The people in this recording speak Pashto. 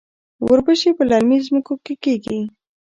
وربشې په للمي ځمکو کې کیږي.